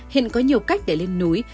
hiện có nhiều cách để lên núi